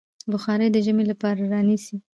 بخارۍ د ژمي لپاره رانيسئ.